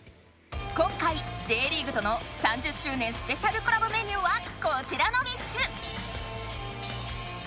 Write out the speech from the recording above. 今回Ｊリーグとの３０周年スペシャルコラボメニューはこちらの３つ！